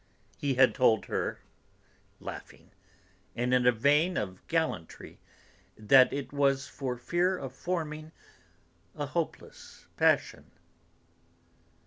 he had told her, laughing, and in a vein of gallantry, that it was for fear of forming a hopeless passion.